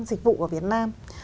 dịch vụ của việt nam